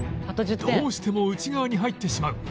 どうしても内側に入ってしまう